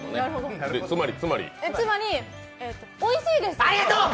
つまり、おいしいです。